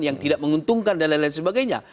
yang tidak menguntungkan dan lain lain sebagainya